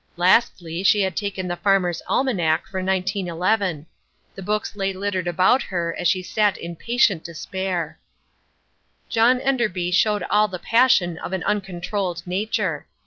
Lastly, she had taken the Farmer's Almanac for 1911. The books lay littered about her as she sat in patient despair. John Enderby showed all the passion of an uncontrolled nature.